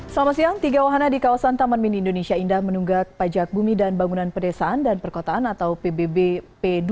selamat siang tiga wahana di kawasan taman mini indonesia indah menunggak pajak bumi dan bangunan pedesaan dan perkotaan atau pbb p dua